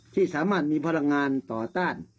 ที่สามารถมีพลังงานต่อต้าน